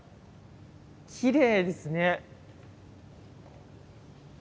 きれいですね。